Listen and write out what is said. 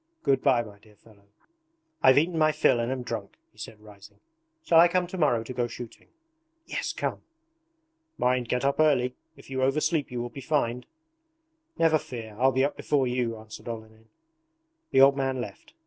Good bye, my dear fellow. I've eaten my fill and am drunk,' he said rising. 'Shall I come to morrow to go shooting?' 'Yes, come!' 'Mind, get up early; if you oversleep you will be fined!' 'Never fear, I'll be up before you,' answered Olenin. The old man left.